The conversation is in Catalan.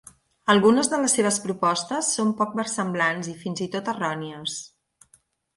Algunes de les seves propostes són poc versemblants i fins i tot errònies.